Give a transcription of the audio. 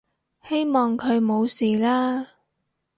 希望佢冇事啦